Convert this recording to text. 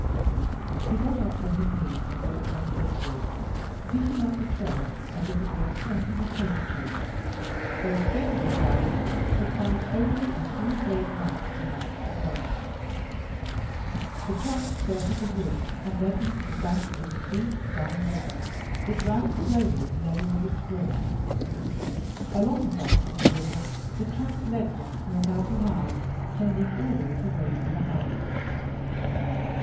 He got up from his knees and walked on briskly, picking up the trail as if it were the "scent" of a paper chase, though Strangely 's eyes could find only a few vague marks amongst the grass. The track skirted the woods and led them to the banks of a deep, dumb river that ran FOOTPRINTS AND FINGERPRINTS 1 87 slowly, level with its brim. Along the banks of the river the track led them for about a mile, tending always away from the house.